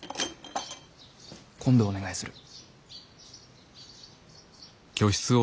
今度お願いする。